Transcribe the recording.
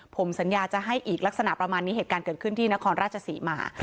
ผมสัญญาจะให้อีกลักษณะประมาณนี้เหตุการณ์เกิดขึ้นที่นครราชศรีมา